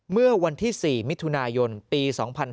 เมื่อวันที่๔มิถุนายนปี๒๕๕๙